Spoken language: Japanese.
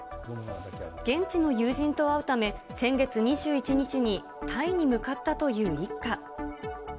現地の友人と会うため、先月２１日にタイに向かったという一家。